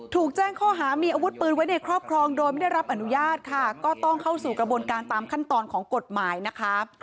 ถูกแจ้งข้อหามีอาวุธปืนไว้ในครอบครองโดยไม่ได้รับอนุญาตค่ะก็ต้องเข้าสู่กระบวนการตามขั้นตอนของกฎหมายนะคะ